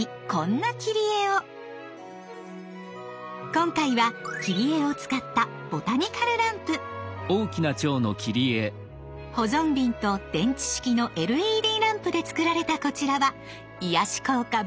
今回は切り絵を使った保存瓶と電池式のＬＥＤランプで作られたこちらは癒やし効果抜群。